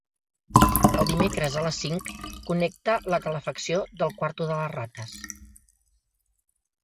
Els dimecres a les cinc connecta la calefacció del quarto de les rates.